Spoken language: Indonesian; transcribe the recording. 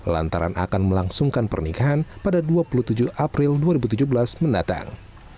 lantaran akan melangsungkan pernikahan pada dua puluh tujuh april dua ribu tujuh belas mendatang